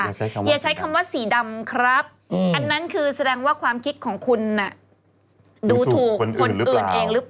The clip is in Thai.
เหยียดใช้คำว่าสีดำครับอันนั้นซึ่งแสดงว่าความคิดของคุณดูถูกคนอื่นเอง